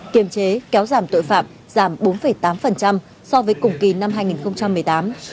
kiềm chế kéo giảm tội phạm giảm bốn tám so với cùng kỳ năm hai nghìn một mươi tám